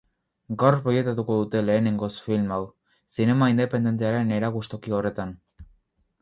Gaur proiektatuko dute lehenengoz film hau, zinema independentearen erakustoki horretan.